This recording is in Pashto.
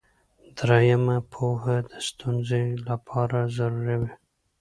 دریمه پوهه د ستونزې لپاره ضروري وي.